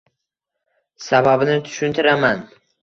Sababini tushuntiraman.